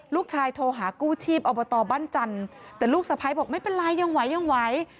ลูกชายโทรหากู้ชีพเอามาต่อบ้านจันทร์แต่ลูกสภัยบอกไม่เป็นไรยังไหว